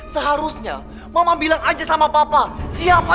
seharusnya mama bilang aja sama papa